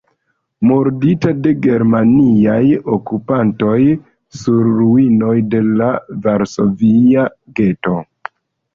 Murdita de germanaj okupantoj sur ruinoj de la Varsovia geto.